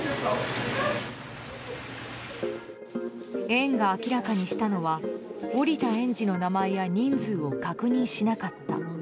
園が明らかにしたのは降りた園児の名前や人数を確認しなかった。